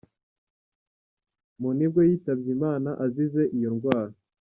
Mu nibwo yitabye Imana azize iyo ndwara.